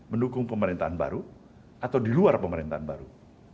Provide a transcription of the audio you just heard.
mendukung pemerintahan baru atau di luar pemerintahan baru